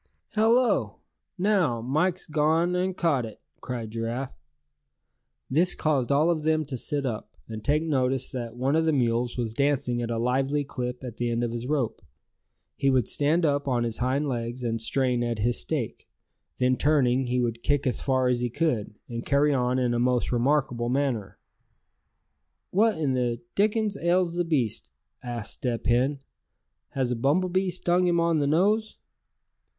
"Hello! now Mike's gone and caught it!" cried Giraffe. This caused all of them to sit up, and take notice that one of the mules was dancing at a lively clip at the end of his rope. He would stand up on his hind legs, and strain at his stake; then turning, he would kick as far as he could; and carry on in a most remarkable manner. "What in the dickens ails the beast?" asked Step Hen. "Has a bumble bee stung him on the nose?"